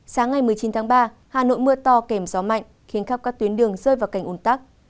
sáng ngày một mươi chín tháng ba hà nội mưa to kèm gió mạnh khiến khắp các tuyến đường rơi vào cảnh ồn tắc